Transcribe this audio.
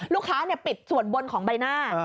ลูกค้าปิดส่วนบนของใบหน้า